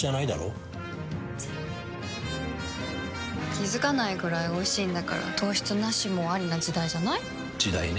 気付かないくらいおいしいんだから糖質ナシもアリな時代じゃない？時代ね。